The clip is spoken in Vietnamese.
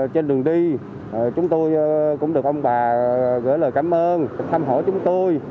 trên đường đi chúng tôi cũng được ông bà gửi lời cảm ơn thăm hỏi chúng tôi